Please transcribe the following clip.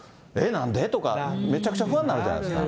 なんで？とか、めちゃくちゃ不安になるじゃないですか。